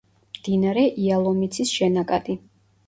მდინარე იალომიცის შენაკადი.